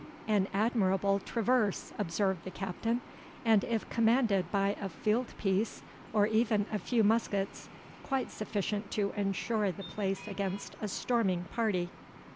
"An admirable traverse," observed the Captain; "and if commanded by a field piece, or even a few muskets, quite sufficient to ensure the place against a storming party."